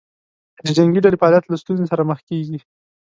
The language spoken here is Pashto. د جنګې ډلې فعالیت له ستونزې سره مخ کېږي.